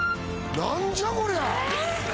何じゃこりゃ。